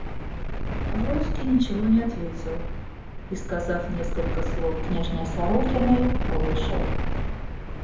Вронский ничего не ответил и, сказав несколько слов княжне Сорокиной, вышел.